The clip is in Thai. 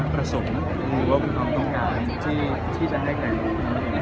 ครับต้องเปิดตัดตามคำนะครับ